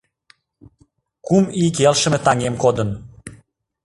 Кум ий келшыме таҥем кодын